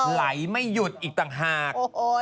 ไหลไม่หยุดอีกต่างหาก